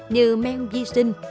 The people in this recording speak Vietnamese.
như men vi sinh